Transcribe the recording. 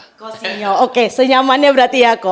ko sinyo oke senyamannya berarti ya ko